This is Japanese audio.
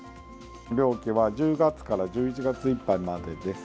漁期は１０月から１１月いっぱいまでです。